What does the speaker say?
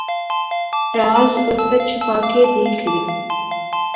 راز الفت چھپا کے دیکھ لیا